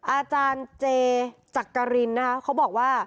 อาจารย์เจจักรินนะคะเขาบอกว่า